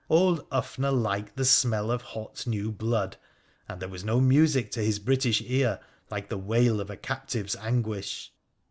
Old Ufner liked the smell of hot new blood, and there was no music to his British ear like the wail of a captive's anguish.